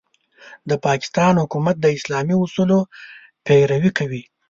د پاکستان حکومت د اسلامي اصولو پيروي کوي.